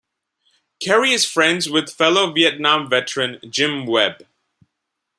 Kerrey is friends with fellow Vietnam veteran Jim Webb.